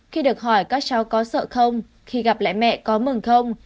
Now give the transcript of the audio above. khi được hỏi các cháu có sợ không khi gặp lại mẹ có mừng không